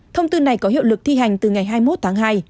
thông tư này có hiệu lực thi hành từ ngày hai mươi một tháng hai